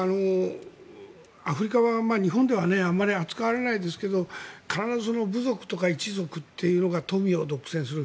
アフリカは日本ではあまり扱われないですが必ず部族とか一族っていうのが富を独占する。